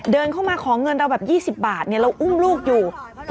เดินเข้ามาขอเงินเราแบบ๒๐บาทเราอุ้มลูกอยู่